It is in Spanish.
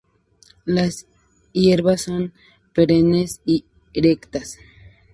Las hierbas son perennes y erectas.